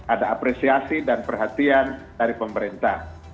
ada apresiasi dan perhatian dari pemerintah